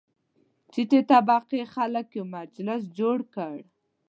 ټیټې طبقې خلک یو مجلس جوړ کړ.